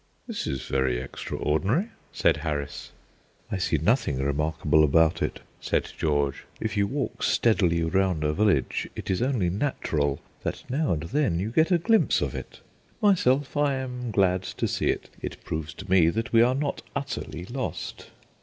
"This is very extraordinary," said Harris. "I see nothing remarkable about it," said George. "If you walk steadily round a village it is only natural that now and then you get a glimpse of it. Myself, I am glad to see it. It proves to me that we are not utterly lost."